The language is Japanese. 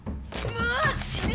まあ死ね！